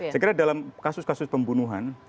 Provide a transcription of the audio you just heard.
saya kira dalam kasus kasus pembunuhan